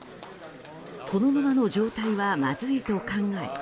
このままの状態はまずいと考え